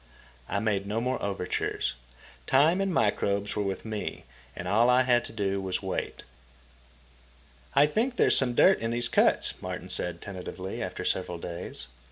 I made no more overtures. Time and microbes were with me, and all I had to do was wait. "I think there's some dirt in these cuts," Martin said tentatively, after several days.